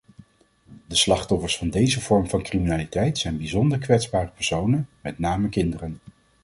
De slachtoffers van deze vorm van criminaliteit zijn bijzonder kwetsbare personen, met name kinderen.